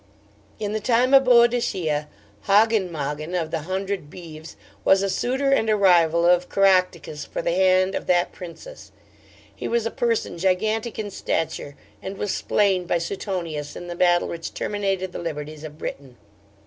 'In the time of Boadicea, Hogyn Mogyn, of the hundred Beeves, was a suitor and a rival of Caractacus for the hand of that Princess. He was a person gigantic in stature, and was slain by Suetonius in the battle which terminated the liberties of Britain.